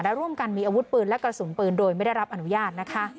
และร่วมกันมีอาวุธปืนและกระสุนปืนโดยไม่ได้รับอนุญาตนะคะ